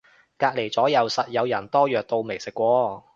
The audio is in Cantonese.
隔離咗右實有人多藥到未食過